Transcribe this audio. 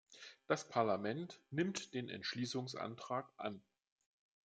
Das Parlament nimmt den Entschließungantrag an.